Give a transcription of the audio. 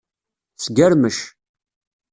Sgermec.